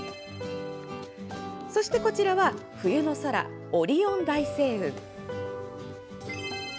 そしてこちらは、冬の空オリオン大星雲。